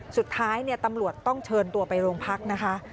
สุดท้ายตำรวจต้องเชิญตัวไปโรงพักนะคะ